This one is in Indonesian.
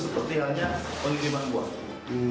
seperti hanya penerimaan buah